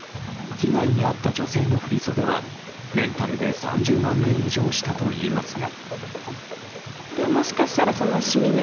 被害にあった女性の振り袖はレンタルで３０万円以上したといいますが。